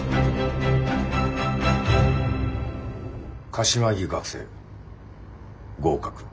柏木学生合格。